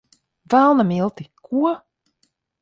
Velna milti! Ko?